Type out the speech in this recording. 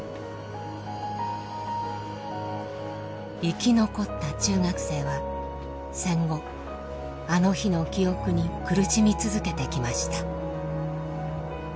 生き残った中学生は戦後あの日の記憶に苦しみ続けてきました。